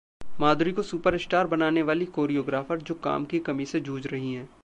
माधुरी को सुपरस्टार बनाने वाली कोरियोग्राफर जो काम की कमी से जूझ रही हैं